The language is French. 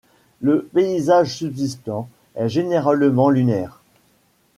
Le paysage subsistant est généralement lunaire.